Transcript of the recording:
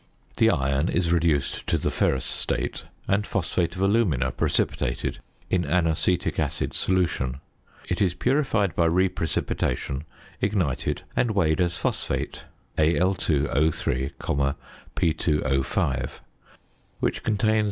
The iron is reduced to the ferrous state and phosphate of alumina precipitated in an acetic acid solution. It is purified by reprecipitation, ignited, and weighed as phosphate (Al_O_,P_O_), which contains 41.